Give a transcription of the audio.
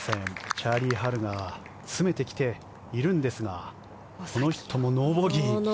チャーリー・ハルが詰めてきているんですがこの人もノーボギー。